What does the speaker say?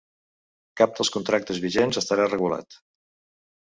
Cap dels contractes vigents estarà regulat.